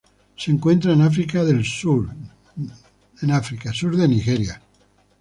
Se encuentran en África:sur de Nigeria.